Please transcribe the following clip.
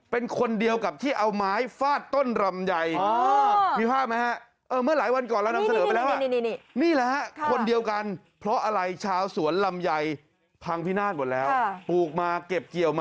เป็นคนเดียวกับที่เอาไม้ฟาดต้นลำไยพัง